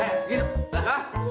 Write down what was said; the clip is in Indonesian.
eh gini hah